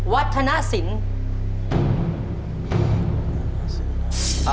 วัฒนศิลป์